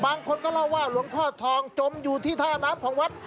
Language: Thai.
บางคนก็เล่าว่าหลวงพ่อทองจมอยู่ที่ท่าน้ำของวัด